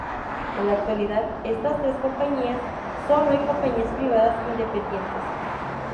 En la actualidad estas tres compañías son hoy compañías privadas independientes.